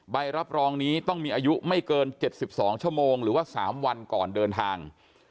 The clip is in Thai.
ใบรับรองนี้ต้องมีอายุไม่เกิน๗๒ชั่วโมงหรือว่า๓วันก่อนเดินทาง